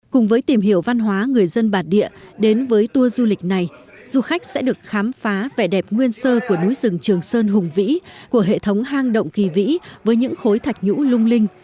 cùng với tìm hiểu văn hóa người dân bản địa đến với tour du lịch này du khách sẽ được khám phá vẻ đẹp nguyên sơ của núi rừng trường sơn hùng vĩ của hệ thống hang động kỳ vĩ với những khối thạch nhũ lung linh